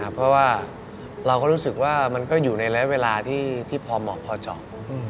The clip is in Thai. เพราะว่าเราก็รู้สึกว่ามันก็อยู่ในระยะเวลาที่พอเหมาะพอเจาะ